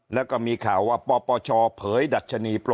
แล้วก็มีข่าวว่าปปชเผยดัชนีโปร